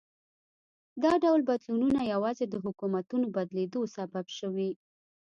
دا ډول بدلونونه یوازې د حکومتونو بدلېدو سبب شوي.